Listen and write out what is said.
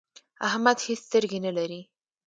احمد هيڅ سترګې نه لري.